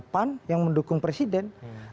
pan yang mendukung presiden